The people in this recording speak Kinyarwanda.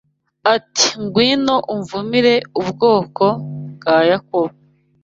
Ati ‘Ngwino umvumire ubwoko bwa Yakobo